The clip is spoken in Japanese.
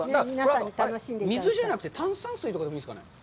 水じゃなくて、炭酸水とかでもいいですかね？